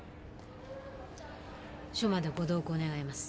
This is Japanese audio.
署までご同行願います。